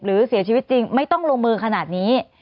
หรือเสียชีวิตจริงไม่ต้องลงมือขนาดนี้